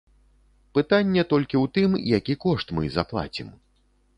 Пытанне толькі ў тым, які кошт мы заплацім.